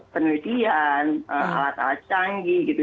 penelitian alat alat canggih gitu